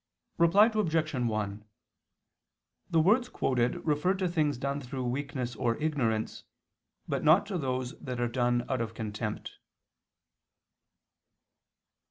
Reply Obj. 1: The words quoted refer to things done through weakness or ignorance, but not to those that are done out of contempt.